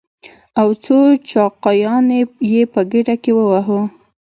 او څو چاقيانې يې په ګېډه کې ووهو.